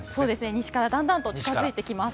西からだんだんと近づいてきます。